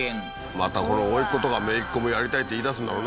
またこのおいっ子とかめいっ子もやりたいって言いだすんだろうな